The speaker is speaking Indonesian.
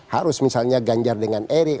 harus misalnya ganjar dengan erik